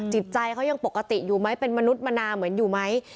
จิตใจเขายังปกติอยู่ไหมเป็นมนุษย์มนาเหมือนอยู่ไหม